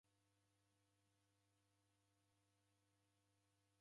Odeka ukiw'ika igare jake aha.